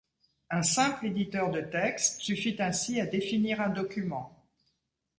Un simple éditeur de texte suffit ainsi à définir un document.